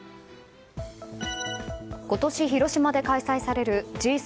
今年、広島で開催されるＧ７